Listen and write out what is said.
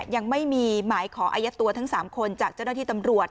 ยังไม่มีหมายขออายัดตัวทั้ง๓คนจากเจ้าหน้าที่ตำรวจ